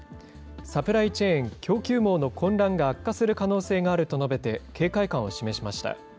サプライチェーン・供給網の混乱が悪化する可能性があると述べて、警戒感を示しました。